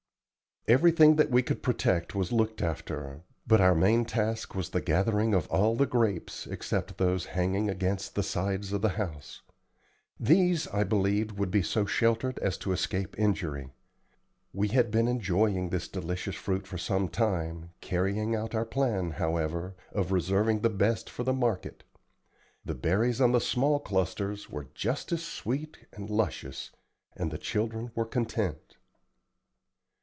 Everything that we could protect was looked after; but our main task was the gathering of all the grapes except those hanging against the sides of the house. These I believed would be so sheltered as to escape injury. We had been enjoying this delicious fruit for some time, carrying out our plan, however, of reserving the best for the market. The berries on the small clusters were just as sweet and luscious, and the children were content.